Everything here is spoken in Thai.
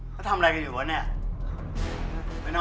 เขาทำอะไรกันอยู่วะเนี่ย